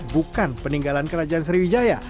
bukan peninggalan kerajaan sriwijaya